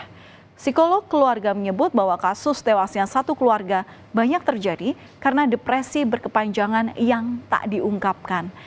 psikolog keluarga menyebut bahwa kasus tewasnya satu keluarga banyak terjadi karena depresi berkepanjangan yang tak diungkapkan